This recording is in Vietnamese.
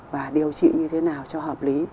và điều trị như thế nào cho hợp lý